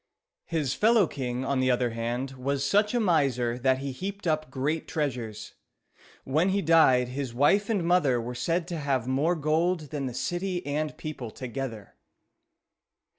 His fellow king, on the other hand, was such a miser that he heaped up great treasures. When he died, his wife and mother were said to have more gold than the city and people together.